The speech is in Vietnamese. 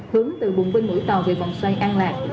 hướng từ vùng vinh mũi tàu về vòng xoay an lạc